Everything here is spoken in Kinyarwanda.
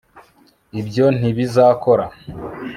ibyo ntibizakora